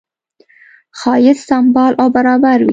ښایست سمبال او برابر وي.